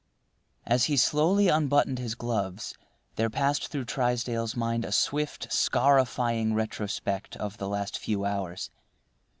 As he slowly unbuttoned his gloves, there passed through Trysdale's mind a swift, scarifying retrospect of the last few hours.